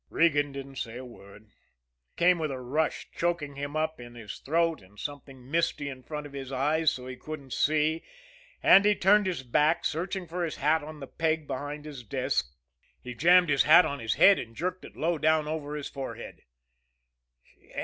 Regan didn't say a word. It came with a rush, choking him up in his throat, and something misty in front of his eyes so he couldn't see and he turned his back, searching for his hat on the peg behind his desk. He jammed his hat on his head, and jerked it low down over his forehead.